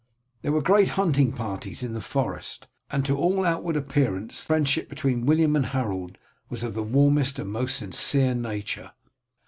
There were great hunting parties in the forest, and to all outward appearance the friendship between William and Harold was of the warmest and most sincere nature.